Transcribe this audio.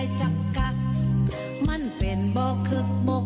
จังสีมันต้องถอน